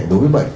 đối với bệnh